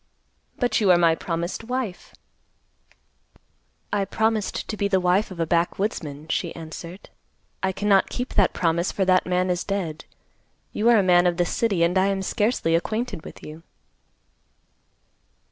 "But you are my promised wife." "I promised to be the wife of a backwoodsman," she answered. "I cannot keep that promise, for that man is dead. You are a man of the city, and I am scarcely acquainted with you."